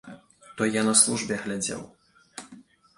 То я на службе глядзеў.